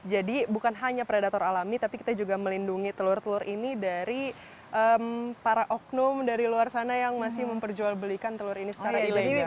jadi bukan hanya predator alami tapi kita juga melindungi telur telur ini dari para oknum dari luar sana yang masih memperjualbelikan telur ini secara ilegal